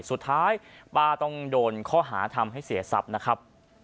สุดท้ายป้าต้องโดนข้อหาทำให้เสียทรัพย์นะครับ